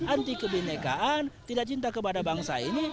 anti kebinekaan tidak cinta kepada bangsa ini